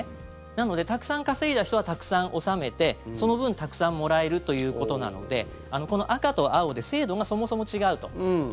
なので、たくさん稼いだ人はたくさん納めてその分、たくさんもらえるということなのでこの赤と青で制度がそもそも違うと。